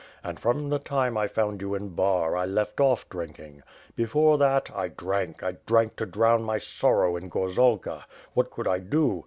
And, from the time I found you in Bar, I left oil drinking. Before that, I drank, drank to drown my sorrow in gorzalka. What could I do?